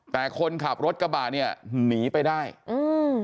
แต่คนขับรถกระบะเนี้ยหนีไปได้อืม